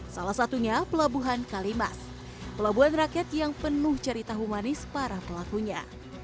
salah satunya pelabuhan kalimas pelabuhan rakyat yang penuh cerita humanis para pelakunya